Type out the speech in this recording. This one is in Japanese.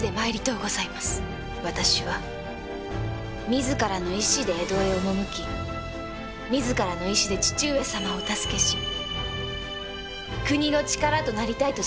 私は自らの意思で江戸へ赴き自らの意思で父上様をお助けし国の力となりたいと存じます。